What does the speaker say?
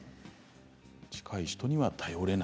近い人には頼れない。